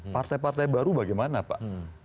partai partai baru bagaimana pak